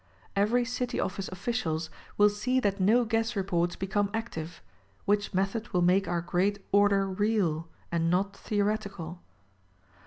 Every city office officials will see that no guess reports become active ; which method will make our great order real, and not— theoretical.